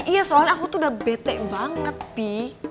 iya soalnya aku tuh udah bete banget by